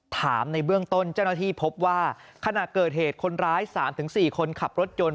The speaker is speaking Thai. ถามในเบื้องต้นจนที่พบว่าขณะเกิดเหตุคนร้าย๓๔คนขับรถจน